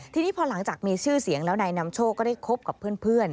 ทีนี้พอหลังจากมีชื่อเสียงแล้วนายนำโชคก็ได้คบกับเพื่อน